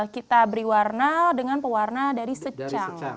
kita beri warna dengan pewarna dari secang